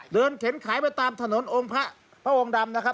เดินเข็นขายไปตามถนนพระองค์ดำนะครับ